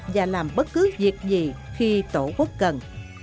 và làm bất cứ việc gì khi tổ quốc cần